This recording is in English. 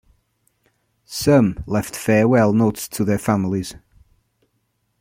Some left farewell notes to their families.